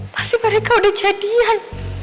pasti mereka udah jadian